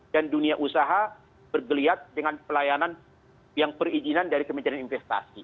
dan dunia usaha bergeliat dengan pelayanan yang perizinan dari pemerintahan investasi